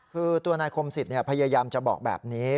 คือตัวนายคมสิทธิ์พยายามจะบอกแบบนี้